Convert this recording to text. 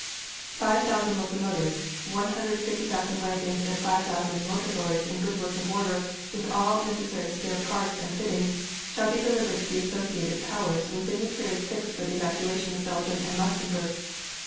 Five thousand locomotives, one hundred fifty thousand wagons and five thousand motor lorries in good working order with all necessary spare parts and fittings shall be delivered to the associated Powers within the period fixed for the evacuation of Belgium and Luxemburg.